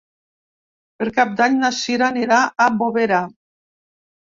Per Cap d'Any na Sira anirà a Bovera.